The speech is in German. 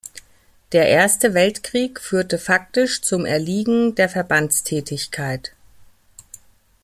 Der Erste Weltkrieg führte faktisch zum Erliegen der Verbandstätigkeit.